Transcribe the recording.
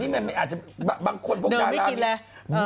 เดิมไม่กินแล้ว